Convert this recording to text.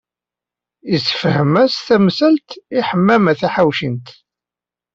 Yessefhem-as tamsalt i Ḥemmama Taḥawcint.